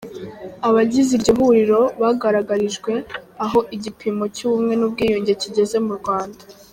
Abagize iryo huriro bagaragarijwe aho igipimo cy’ubumwe n’ubwiyunge kigeze mu Rwanda.